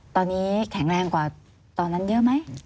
ตอนนี้แข็งแรงกว่าตอนนั้นเยอะไหม